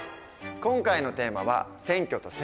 今回のテーマは「選挙と選挙権」。